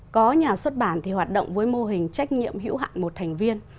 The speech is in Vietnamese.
có nhà xuất bản thì hoạt động với mô hình trách nhiệm hữu hạn một thành viên